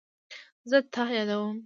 زه تا یادوم